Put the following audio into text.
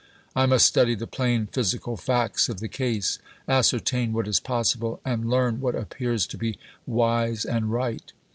I must study the plain physical facts of the case, ascertain what is possible, and learn what appears to be wise and right.